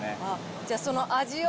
じゃあその味を。